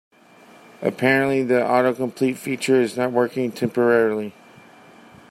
Apparently, the autocomplete feature is not working temporarily.